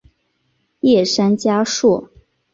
叶山嘉树。